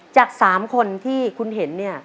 จาก๓คนที่คุณเห็นเนี่ย